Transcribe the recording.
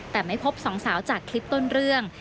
แต่ไม่พบสองสาวจากคลิปต้นเรื่อง